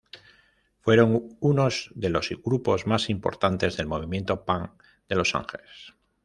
Fueron unos de los grupos más importantes del movimiento punk de Los Ángeles.